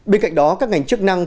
bên cạnh đó các ngành chức năng